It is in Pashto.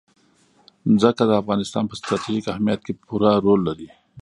ځمکه د افغانستان په ستراتیژیک اهمیت کې پوره رول لري.